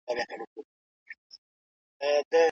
ابن خلدون په نړۍ کي ډېر منل سوی دی.